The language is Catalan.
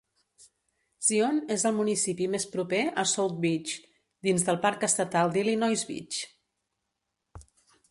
Zion és el municipi més proper a South Beach dins del Parc Estatal d'Illinois Beach.